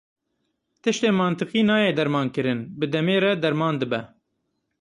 Tiştê mantiqî nayê dermankirin, bi demê re derman dibe.